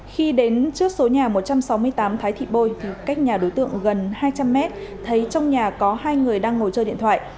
khi đến trước số nhà một trăm sáu mươi tám thái thị bôi thì cách nhà đối tượng gần hai trăm linh mét thấy trong nhà có hai người đang ngồi chơi điện thoại